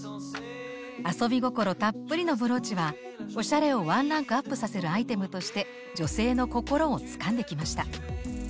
遊び心たっぷりのブローチはおしゃれをワンランクアップさせるアイテムとして女性の心をつかんできました。